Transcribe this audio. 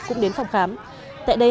cũng đến phòng khám tại đây